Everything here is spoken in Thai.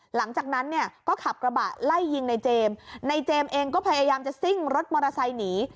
หลังจากนั้นเนี่ยก็ขับกระบะไล่ยิงในเจมส์ในเจมส์เองก็พยายามจะซิ่งรถมอเตอร์ไซค์หนี